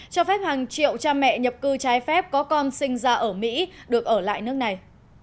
cho phép hàng triệu cha mẹ nhập cư trái phép có con sinh ra ở mỹ được ở lại nước này